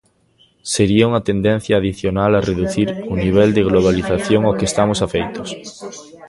Sería unha tendencia adicional a reducir o nivel de globalización ao que estamos afeitos.